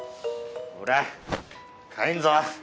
ほら帰んぞ！